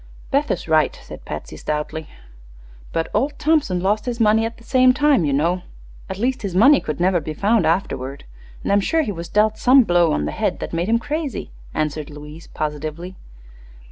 "Beth is right," said Patsy, stoutly. "But old Thompson lost his money at the same time, you know; at least his money could never be found afterward. And I'm sure he was dealt some blow on the head that made him crazy," answered Louise, positively.